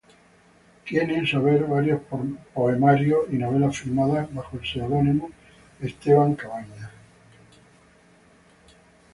Tiene en su haber varios poemarios y novelas firmadas bajo el seudónimo "Esteban Cabañas".